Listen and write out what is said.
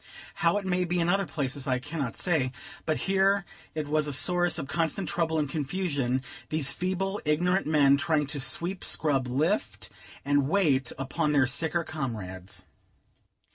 How it may be in other places I cannot say; but here it was a source of constant trouble and confusion, these feeble, ignorant men trying to sweep, scrub, lift, and wait upon their sicker comrades.